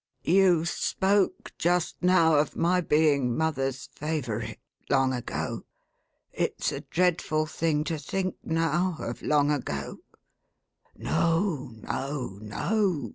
"You spoke, just now, of my being mother's favourite, long ago. It's a dreadful thing to think now, of long ago !"" No, no, no